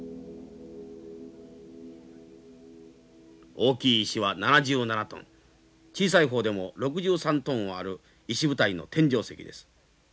大きい石は７７トン小さい方でも６３トンある石舞台の天井石です。